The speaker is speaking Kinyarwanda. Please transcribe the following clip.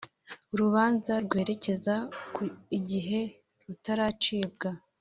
urubanza rwerekeza ku igihe rutaracibwa